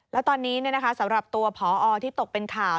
แล้วตอนนี้สำหรับตัวพอที่ตกเป็นข่าว